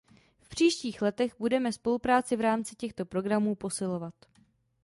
V příštích letech budeme spolupráci v rámci těchto programů posilovat.